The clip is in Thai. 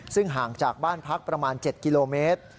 ซึ่งห่างจากบ้านพักประมาณ๗กิโลเมตร